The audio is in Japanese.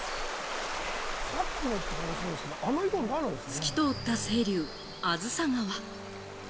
透き通った清流・梓川。